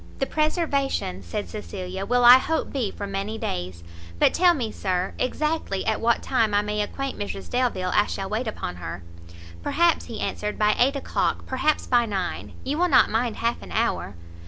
"The preservation," said Cecilia, "will I hope be for many days. But tell me, sir, exactly, at what time I may acquaint Mrs Delvile I shall wait upon her?" "Perhaps," he answered, "by eight o'clock; perhaps by nine; you will not mind half an hour?"